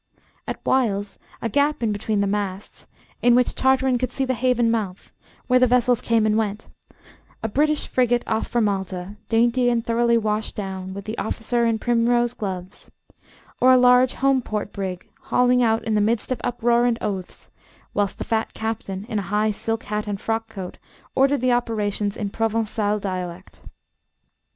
At whiles a gap in between the masts, in which Tartarin could see the haven mouth, where the vessels came and went: a British frigate off for Malta, dainty and thoroughly washed down, with the officer in primrose gloves, or a large home port brig hauling out in the midst of uproar and oaths, whilst the fat captain, in a high silk hat and frockcoat, ordered the operations in Provencal dialect.